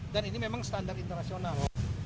dan ini memang standar internasional